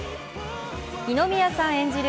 二宮さん演じる